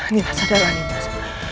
nimas adalah ninas